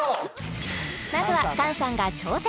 まずは菅さんが挑戦